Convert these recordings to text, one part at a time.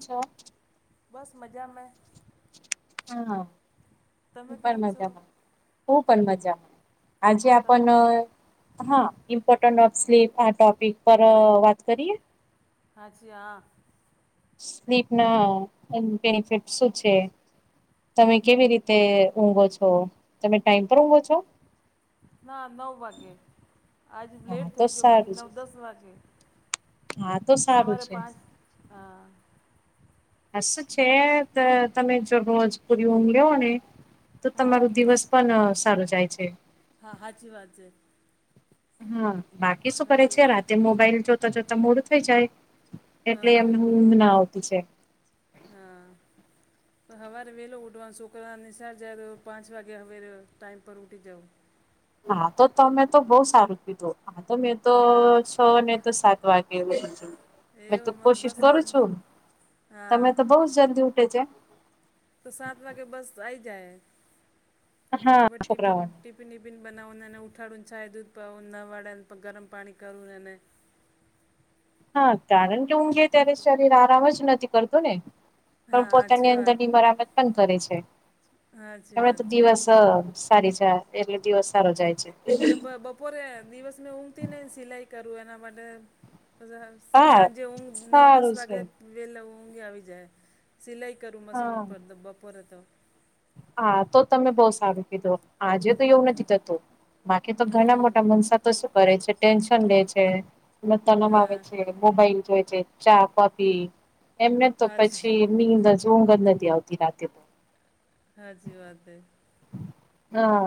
છે. બસ મજા મ. હા તમે પણ કેમ છો મજામાં હું પણ મજા આજે તમે આપન મ હા ઇમ્પોર્ટન્ટ ઓફ સ્લીપ આ ટોપિક પર વાત કરીએ. હા જિ હા. સ્લીપ ના બેનિફિટ શું છે? તમે કેવી રીતે ઊંઘો છો તમે ટાઈમ પર ઊંઘો છો? ના નવ વાગે આજ હા લેટ તો થઈ ગયો બાકી સારું છે નવ દસ વાગે. હા તો સારું સવારે છે. પાંચ હા. હસ છે ત તમે જો રોજપુરી ઊઘ લેવો ને તો હા તમારુ દિવસ પન સારો જાય છે. હા હાચી વાત છે. હા બાકી શું કરે સાચી છે વાત રાતે મોબાઈલ જોતા જોતા મોડું થઈ જાય એટલે હા એમ ઉંઘ ના આવતી છે. હા. તો હવારે વહેલો ઉઠવાનું છોકરા નિશાળ જાય તો પાંચ વાગે હવેરે ટાઈમ પર ઉઠી જવું. હા તો તમે તો બઉ સારું કીધું, હા તો મેં તો હા હ ને તો સાત વાગે એવું. હ તો એવું અમારું કોશિશ બસ કરું છું, તમે હા તો બઉ જલ્દી ઉટે ચે. તો સાત વાગે બસ આઈ જાય, તો હા પ ટિપીન છોકરાઓને ટિફિન વિફિન બનાવનેને ઉઠાડુંને ચાય દૂધ પાવ નવાળેને ગરમ પાણી કરું ને ને. હા કારણ કે ઉઘીએ ત્યારે શરીર આરામ જ નથી કરતો ને. પણ હા પોતાની સાચી અંદર વાત ની મરામત પન કરે છે, સાચી એવે તો વાત છે દિવસ સારી છે એટલે દિવસ સારો જાય છે. દભ બપોરે દિવસમે ઊંઘતી નઈ સિલાઈ કરું એના માટે, બજા હા સાંજે ઉંઘ નવ દસ સારું છે વાગે વહેલા ઊંઘે આવી જાય, સિલાઈ કરું મશીન હા ઉપર તો બપોરે તો. હા તો તમે બઉ સારું કીધું, આજે તો એવું નથી થતું, બાકી તો ઘણા હમ મોટ ટા મનસા તો શું કરે છે ટેન્શન લે છે, તનામ આવે હા છે. મોબાઈલ જોય છે ચા કોપી, એમને તો હાજી પછી નીંદ જ ઊઘં જ નથી આવતી રાતે. હાચી વાતે હે. હા.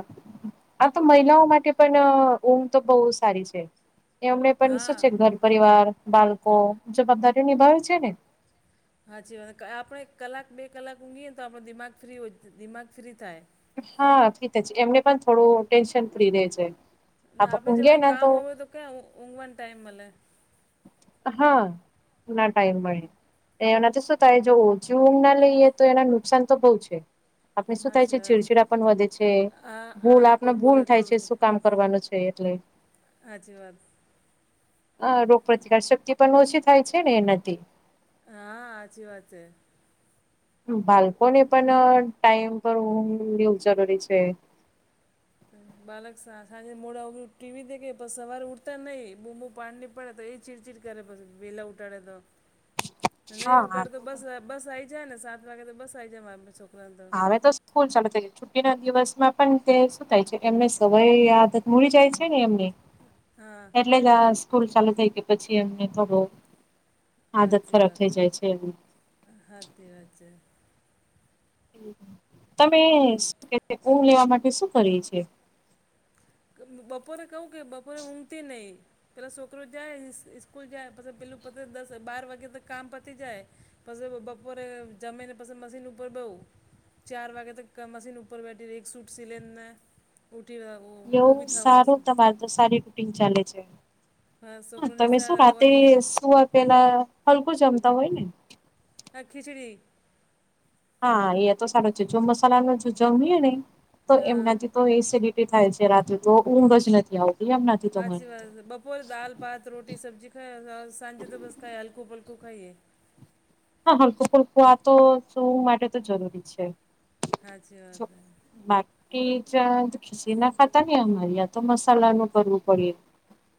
આ તો મહિલાઓ માટે પણ ઊંઘ તો બઉ સારી છે. એમને પન શું છે હા ઘર પરિવાર, બાળકો, જવાબદારીઓ નિભાવે છે ને. હાચી વા આપણે કલાક બે કલાક ઊંઘીએ તો આપણું દિમાગ ફ્રી હોય દિમાગ ફ્રી થાય. હા ફીત જ એમને પન થોડું ટેન્શન ફ્રી રે છે, આપ ઊંઘે ને તો કા ઊંઘવાનું ટાઈમ મલે. હા, ના ટાઈમ મળે. એનાથી શું થાય જો ઓછી ઊંઘ ના લઈએ તો એના નુકસાન તો બઉ છે. આપણે શું થાય છે સાચી વાત છીડછિડા પન વધે છે. હા ભૂલ હા આપને કોઈ ભૂલ બોલે તો થાય છે શું કામ કરવાનું છે એટલે. હાચી વાત. અ રોગપ્રતિકાર શક્તિ પણ ઓછી થાય છે ને એનાથી. હા હાચી વાત છે. બાળકોને પણ ટાઈમ પર લેવું જરૂરી છે. બાલક સાંજે મોડા ઓર ટીવી દેખ પણ સવાર ઉઠતા નહી બૂમુ પાડની પડે તો એજ ચિડચિડ કરે પછી વેલા ઉઠાડે તો. [inaudible] નહી ઉટાડ તો બસ બસ આ આવી જાય ને સાત વાગે તો બસ આઈ જાય મારા છોકરાનેં તો. હ તો સ્કૂલ ચાલ તે. છુી ના દિવસમાં પણ તે શું થાય છે એમને સવાય આયાદત મડી જાય છે ને એમ. હા એટલે જ આ સ્કૂલ ચાલુ થઈ કે પછી એમને તો બ સાચી વાત, સાચી વાત છે. તમે શ કે ઊંઘ લેવા માટે શું કરી છે? બપોરે કવું કે બપોરે ઊંઘતી નહી. પેલા છોકરો જાય સ્કૂલ જાય પછી પેલું પ દસ બાર વાગે તો કામ પતી જાય. પછી બપોરે જમીને પછી મશીન ઉપર બઉ. ચાર વાગે તક મશીન ઉપર બેઠી રહી એક સૂટ સી લઈને, ઊઠી રહ. એવું સારું તમારે તો સારી રૂટીન ચાલે છે. હા છોકરો તમે શું નિશાળ રાતે હોવાની સુવા પેલા હલકું જમતા હોય ને? હ ખીચડી. હા એ તો સારો છે જો મસાલા ન જો જમીએ ને, તો હા એમનાથી તો એસિડિટી થાય છે રાત્રે તો ઊંઘ જ નથી આવતી એમ. સાાચી વાત બપ પો દાલ ભાત રોટી સબ્જી ખાઈ સાંજે તો બસ ખાઈ હલકું પલકું ખાઈએ. હા હલકું ફલકું આ તો શું માટે તો જરૂરી છે. સાચી વાત મે [unintelligible] કે જ ખીસી ના ખાતા ને અમારે આ તો મસાલાનું કરવું પડે.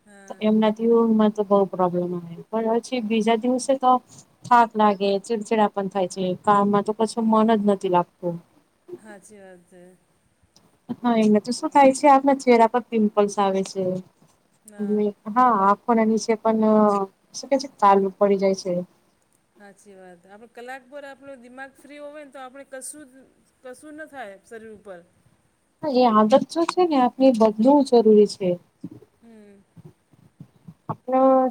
હા એમનાથીમાં તો બહ પ્રોબ્લેમ આવે પણ પછ બીજા દિવસે તો થાક લાગે ચીડચીડા પણ થાય છે કામમાં તો કશું મન જ નથી લાગતું. સાાચી વાત છે. હા એમાં તો શું થાય છે આપના ચહેરા પર પિમ્પલ્સ આવે છે. હા હા આંખો ના નીચે પણ શું કે છે ચાલુ પડી જાય છે. સાચી વાત આપડ કલાક પર આપણો દિમાગ ફ્રી હોય ને તો આપણે કશું કશું ના થાય શરીર ઉપર. એ આદત જો છે ને આપણે બદલવું જરૂરી છે. હમ. આપ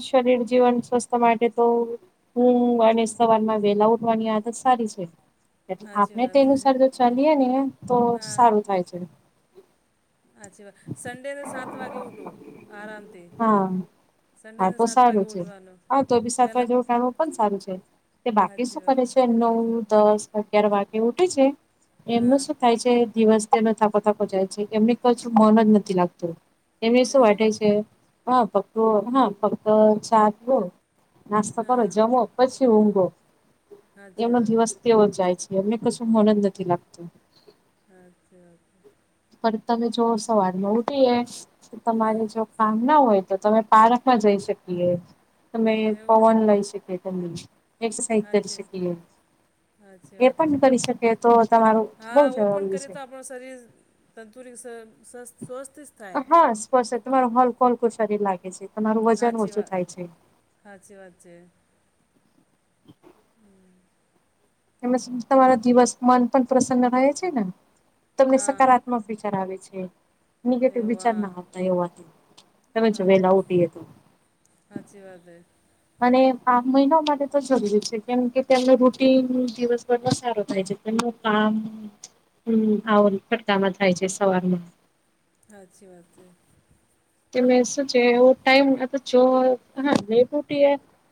શરીર જીવન સ્વસ્થ માટે તો હમ અને સવાર માં વેલા ઉઠવાની આદત સારી છે. એટ સાચી આપણે તે વાત અનુસાર જો ચાલીએ ને તો હા સારું થાય છે. અચ્છી વા, સંડેને સાત વાગે ઉઠું આરામથી. હા હા, સન્ડેને તો સાત વાગે સારું છે, ઉઠવાનું હા તો બી સાતવા પહેલાં જેવું કાણવું પણ સારું છે. તે બાકી સાચી શું કરે વાત છે નવ દસ અગિયાર વાગે ઉઠે છે, હા એમનું શું થાય છે દિવસ તેનો થાકો થાકો જાય છે એમને ક મન જ નથી લાગતું. એને શું એવું વાટે છે, હ ફક્ત હ ફક્ત સાત લો નાસ્તા કરો હા જમો પછી ઊઘો, સાચી એમનો વાત દિવસ તેઓ જાય છે એમને કશું મનંદ નથી લાગતું. અચછ. પણ તમે જો સવાર ન ઉઠીએ, તો ના તમારે જો કામ ના હોય તો તમે પાર્કમાં જઈ શકીએ. તમે એવું પવન લઈ શકી તમમે, એક્સરસાઇઝ કરી સાચી શકીએ. સાચી એ વાત છે પણ કરી શકે તો તમારું બહ જરૂરી છે. આપ શરીર તંદુર સ્વસ્થ થાય હા સ્પષ્ટ તમારો હલકોલકું શરીર લાગે છે તમારું વજન સાચી ઓછું વાત થાય છે. સાચી વાત છે. એ તમારા દિવસમાં પણ પ્રસન્ન રહે છે ને, તમને હા સકારાત્મક પછી વિચરાવે છે. નેગેટિવ વિચાર ન એવા આવતા એથી, તમે હા વહેલા ઊઠીએ તો. સાચી વાત એ. આ મહિના માટે તો જરૂરી છે, કેમ કે એમને રૂટિન દિવસભર સારું થાય છે. એનું કામ આમ આવો ફટકામાં થાય છે સવારમાં. હા સારી વાત છે. તે મેં સાચે ટાઈમ તો જોયા લેટ ઊઠી.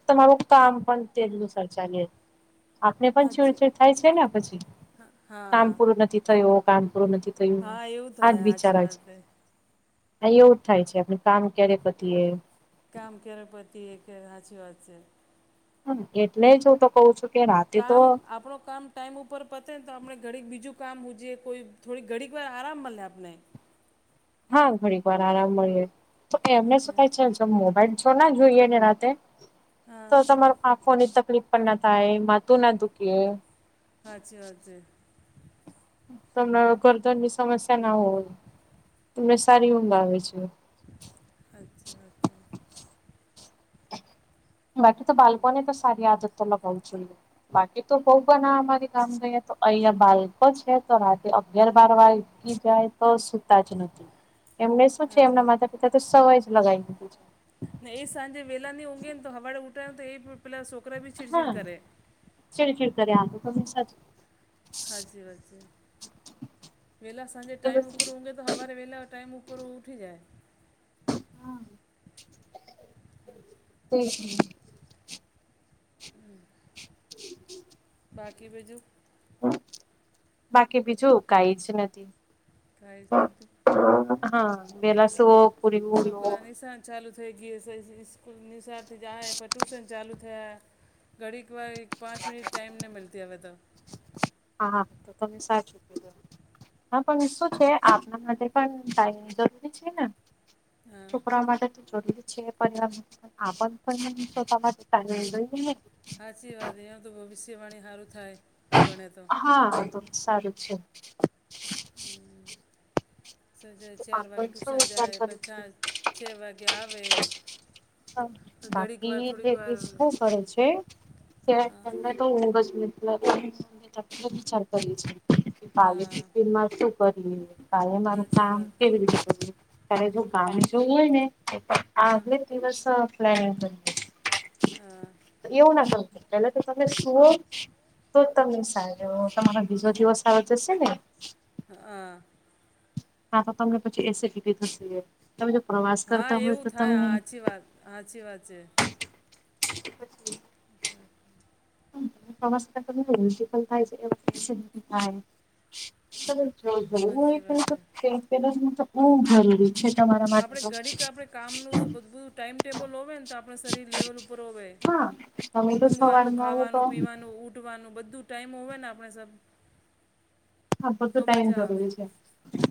તમારું કામ પણ તે જ અનુસાર ચાલે. આપણે પણ સાચી ચીડચીડ થાય છે ને, પછી કામ હા પૂરું નથી થયું, કામ પૂરું નથી તો હા એવું આજ થાય વિચાર સાચી હોય છે. વાત હે હા એવું જ થાય છે, આપણે કામ ક્યારે પતાઈયે? કામ ક્યારે પતીએ હાચી વાત છે. હા, એટલે જ હું તો કહું છું. કે રાતે તો કામ આપણું કામ. ટાઈમ ઉપર પતે ને તો આપણે ઘડી બીજું કામ હોવું જોઈએ, કોઈ થોડીક ઘડીક વાર આરામ મળે આપણે. હા, ઘણીક વાર આરામ મળી તો એમને શું સાચી થાય છે? મોબાઈલ છોના જોઈએ ને રાત્રે હા તો તમારું આંખોની તકલીફ પણ ન થાય, માથું ન દુખે. હાચી વાત છે. તમને ગરદનની સમસ્યા ન હોય, તમને સારી ઊંઘ આવે છે. હાચી વાત છે બાકી તો બાળપણથી સારી આદતો લગાવુ જોઈએ બાકી તો હું અમારી ગામ ગઈ તો અહીં બાળકો છે, તો રાત્રે અગિયાર-બાર વાગે. જાય તો સૂતા જ નથી, એમને શું છે? સાચી એમના વાત માતા-પિતાએ તો સવાય જ લગાવી દીધી છે. ને એ સાંજે વહેલાં ઊંઘે ને તો વહેલાં ઊઠાય ને, તો એ પેલા છોકરા બી છે ચીડચીડ હા કરે. ચીડચીડ કરે આતો તમે સાચી હાચી વાત છે, વહેલી સાંજે ટાઈમ ઉપર સાચું ઊંઘેને તો... તો હવારે વહેલા ટાઈમ ઉપર ઊઠી જાય. એજ ને હમ. બાકી બીજું. બાકી બીજું કાંઈ જ નથી. કાંઈ જ નથી હાં વહેલા સૂવો હા. પૂરી ઊંઘ લો છોકરાની નિશાન ચાલુ થઈ ગયું છે, સ્કૂલ નિશાળથી જાહે, આ પણ ટ્યુશન ચાલુ. હે ઘડીક વાર એક-પાંચ મિનિટ ટાઈમ નહીં મળતી હવે તો. હા, એ તમે સાચું કીધુ હા, પણ શું છે, આપણા માટે પણ તો જરૂરી છે ને? હા છોકરાઓ માટે તો જરૂરી છે, પણ આપણને [unintelligible] હાચી વાત છે, તો ભવિષ્યવાણી હારું થાય, ભણે તો. હા, એ તો સારું છે. સાંજે તો ચાર વાગે આપણ શું ટ્યૂશન વિચાર જાય, કરે છે પછી છ વાગે આવે. હા ઘડીક બાકી વાર થોડીક વાર લેડીશ એ શું કરે છે? કે હા એમને તો ઊંઘ જ [unintelligible] વિચાર કર્યો છે હા કે [inaudible] [inaudible] કાયમ. સાચી કામ વાત કેવી રીતે કરવું, ત્યારે જો કામ જોવું હોય ને આ હા આપણે દિવસનો પ્લાનિંગ હોય હા એવું ના કરવું જોઈએ પહેલા તો તમે સુવો તો તમે સારા રેહો તમારો બીજો દિવસ સારો જશે ને હ અ કા તો તમને પછી એસડિટી થશે તમે જો પ્રવાસ કરતા હોય તો તમને હાચી વાત છે પછી [unintelligible] તમારીલ થાય છે એ થાય [unintelligible] જો જવું સાચી હોયબ વાત છે જરૂરી છે તમારા [unintelligible] આપણે ઘડી કે આપડણે કામનુંધું બધું ટાઈમ ટેબલ હો ને તો આપણે શરીર લેવલ ઉપર હોવે. હા તમે તો ઊઘવાનું સવારમાં આવો તો ખાવાનું. પીવાનું ઉઠવાનું બધું ટાઈમ હોય ને આપણે સબ. હા બધું તો ટાઈમ મજા આવે જરૂરી છે,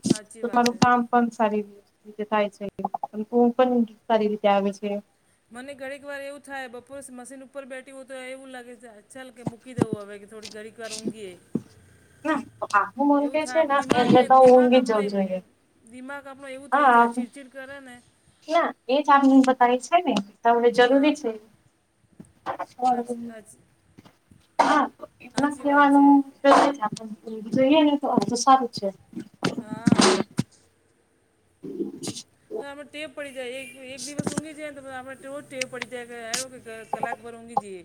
સાચી વાત છે તમારું કામ- પણ સારી રીતે થાય છેુ પણ સારી રીતે આવે છે. મને ઘણીક વાર એવું થાય બપોરે મશીન ઉપર બેઠી હોય તો એવું લાગે છે ચાલ કે ચૂકી તો આવે કે થોડી ઘડીક વાર ઊંઘીએ. હ [inaudible] એવું થાય આપ દિમાગ એટલે તો દિમાગ ઊંઘી આપણો જવું જોઈએ દિમાગ આપણો એવું થઈ હા જાય ચીડચીડ ઘર [unintelligible] ના એ જ આપમને બતાવી છે ને. તમને હા જરૂરી છે. સાચી હા તો એમ સાચી વાત છે કવાનું જોઈએ ને તો અ તો સારું. અચ્છા. હા. હ [unintelligible] મે ટેપ પડી જાય એક દિવસ ઊઘી જાય ને તો ટટે પડી જાય કે કલાક ભર હોગી જઈએ.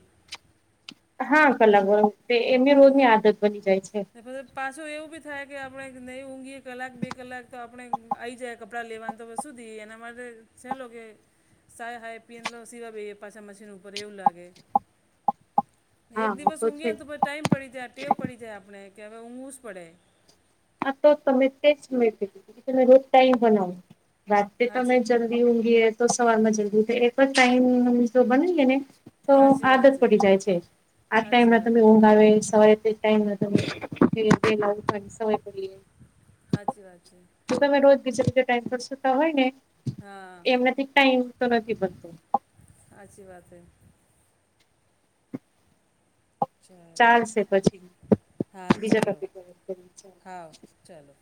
હા કલાકારો એમને એવું રોજની થાય. આદત બની જાય છે. ને પછી પાછું એવું બી થાય કે આપણેે નહી ઊંઘીએ કલાક બે કલાક તો આપણે આ આવી જાય. કપડાં લેવાનું તો સુધી એના માટે છેલો કે સાાય હાય પીન લો સિવા ભાઈ પાછા મશીન ઉપર એવું લાગે. [inaudible] એક દિવસ ઊંઘે ને તો પછી ટાઈમ પડી જાય ટેવ પડી જાય આપણે કે હવે ઊંઘવું જ પડે. હા તો તમે તે જ મે દીધું કે તમે રોજતા એ બનાવો. રાતેતે હાચી તોમેં જલ્દી હુંગીએ. તો સવાર માં જલ્દી એક જ ટાઈમ તો બનાએ ને. તો સાચી વાત આદત પડી જાય છે, આ ટાઈમ સાચી ના વાત તમે સવાયથી ટાઈમ હતો સય પડલી. હા જી વાત છે. જો તમે રોજ બીજા બીજા ટાઈમ પર સતા હોય ને, હા એમનાથી ટાઈમ તો નથી બનતો. અચછી વાત હૈ. ચાલો ચાલશે પછી, હા બીજા ચાલો ટપ હા ચાલો